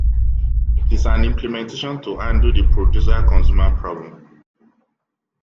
It is an implementation to handle the Producer-consumer problem.